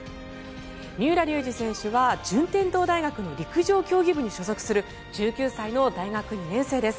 三浦龍司選手は順天堂大学の陸上競技部に所属する１９歳の大学２年生です。